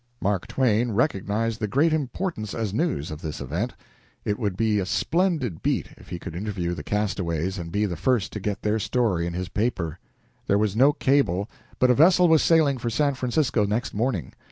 Mark Twain recognized the great importance as news of this event. It would be a splendid beat if he could interview the castaways and be the first to get their story in his paper. There was no cable, but a vessel was sailing for San Francisco next morning.